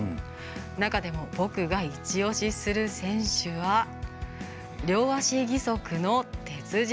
中でも、僕が一押しする選手は、両足義足の鉄人